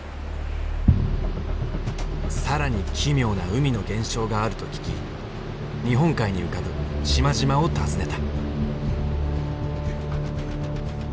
更に奇妙な海の現象があると聞き日本海に浮かぶ島々を訪ねた。